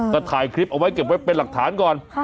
ก็ถ่ายคลิปเอาไว้เก็บไว้เป็นหลักฐานก่อน